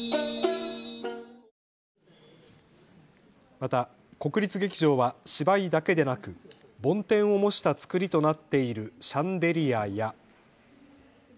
また国立劇場は芝居だけでなく梵天を模したつくりとなっているシャンデリアや。